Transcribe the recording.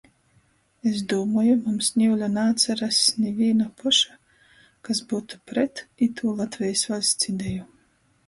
Es dūmoju, mums niule naatsarass nivīna poša, kas byutu pret itū Latvejis vaļsts ideju.